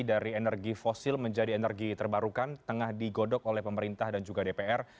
dari energi fosil menjadi energi terbarukan tengah digodok oleh pemerintah dan juga dpr